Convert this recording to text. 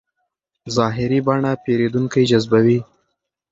ظاهري بڼه پیرودونکی جذبوي.